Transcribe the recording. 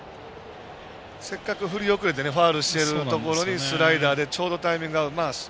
せっかく振り遅れてファウルしてるところにスライダーでちょうどタイミングが合う。